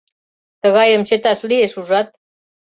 Тыгайым чыташ лиеш, ужат?